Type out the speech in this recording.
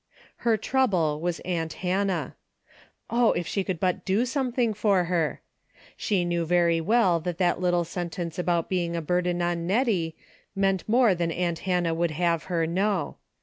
Her trouble was aunt Hannah. Oh, if she could but do something for her. She knew very well that that little sentence about being a burden on Hettie meant more than aunt Hannah would have her know.